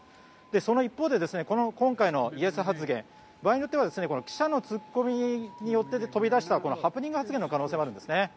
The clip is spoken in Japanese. その一方で、今回のイエス発言場合によっては記者の突っ込みによって飛び出したハプニング発言の可能性もあるんですね。